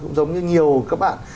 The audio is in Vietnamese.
cũng giống như nhiều các bạn